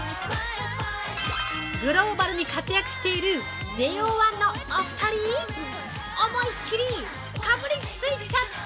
グローバルに活躍しているＪＯ１のお二人、思いっきりかぶりついちゃって！